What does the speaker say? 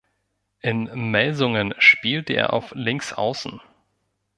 In Melsungen spielt er auf Linksaußen.